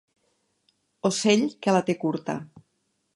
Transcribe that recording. Ocell que la té curta.